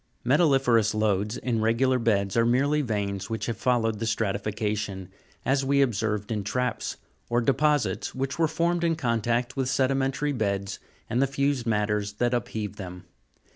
23. Metalli'ferous lodes in regular beds, are merely veins which have followed the stratification, as we observed in traps (fig. 283), or deposits which were formed in contact with sedimentary beas and the fused matters that upheaved them.